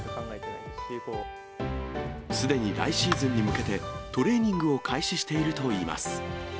すでに来シーズンに向けて、トレーニングを開始しているといいます。